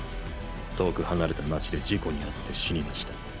遠く離れた街で事故に遭って死にました。